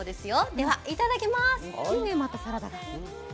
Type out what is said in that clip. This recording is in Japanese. ではいただきます。